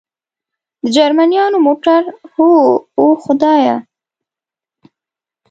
د جرمنیانو موټر؟ هو، اوه خدایه.